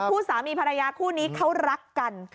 สามีภรรยาคู่นี้เขารักกัน